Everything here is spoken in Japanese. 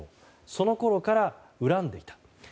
そのころから恨んでいた。